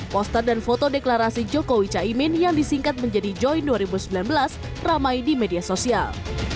poster dan foto deklarasi jokowi caimin yang disingkat menjadi join dua ribu sembilan belas ramai di media sosial